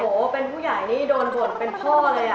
โอ้โหเป็นผู้ใหญ่นี่โดนบทเป็นพ่อเลย